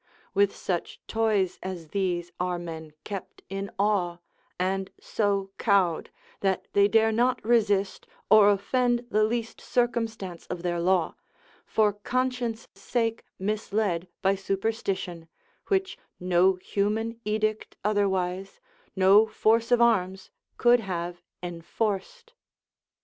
With such toys as these are men kept in awe, and so cowed, that they dare not resist, or offend the least circumstance of their law, for conscience' sake misled by superstition, which no human edict otherwise, no force of arms, could have enforced.